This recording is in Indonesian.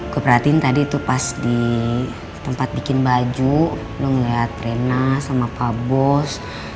gue perhatiin tadi tuh pas di tempat bikin baju lo ngeliat rena sama pak bos